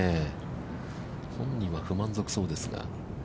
本人は不満足そうですが。